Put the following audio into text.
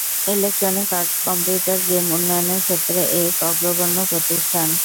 Electronic Arts computer game উন্নয়নের ক্ষেত্রে এক অগ্রগণ্য প্রতিষ্ঠান।